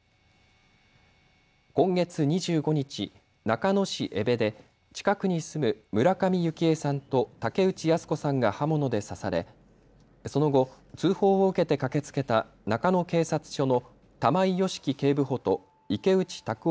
今月２５日、中野市江部で近くに住む村上幸枝さんと竹内やす子さんが刃物で刺されその後、通報を受けて駆けつけた中野警察署の玉井良樹警部補と池内卓夫